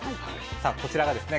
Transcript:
さあこちらがですね